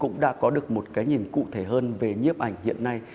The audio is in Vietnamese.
nói nhìn cụ thể hơn về nhiếp ảnh hiện nay